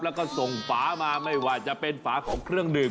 แล้วก็ส่งฝามาไม่ว่าจะเป็นฝาของเครื่องดื่ม